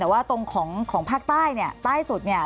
แต่ว่าตรงของภาคใต้เนี่ยใต้สุดเนี่ย